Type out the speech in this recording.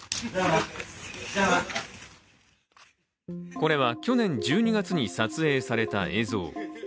これは去年１２月に撮影された映像。